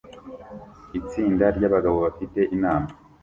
Itsinda ryabagabo bafite inama